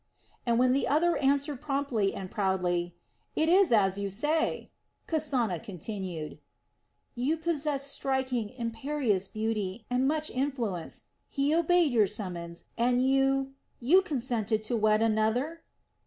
And when the other answered promptly and proudly: "It is as you say!" Kasana continued: "And you possess striking, imperious beauty, and much influence. He obeyed your summons, and you you consented to wed another?"